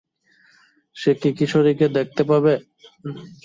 সে কি শিকারীকে দেখতে পাবে?